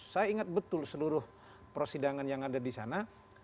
saya ingat betul seluruh persidangan yang ada di sana